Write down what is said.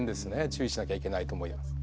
注意しなきゃいけないと思います。